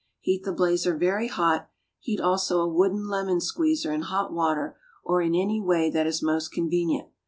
Heat the blazer very hot; heat also a wooden lemon squeezer in hot water or in any way that is most convenient.